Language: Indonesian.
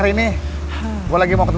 klien lagi pokoknya